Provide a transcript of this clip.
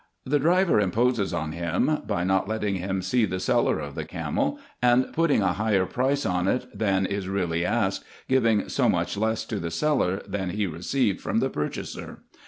The driver imposes on him, by not letting him see the seller of the camel, and putting a higher price on it than is really asked, giving so much less to the seller than he received from the purchaser.